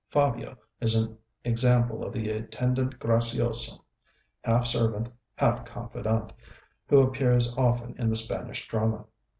Fabio is an example of the attendant gracioso, half servant, half confidant, who appears often in the Spanish drama.